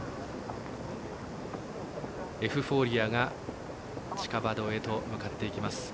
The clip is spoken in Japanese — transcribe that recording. エフフォーリアが地下馬道へと向かっていきます。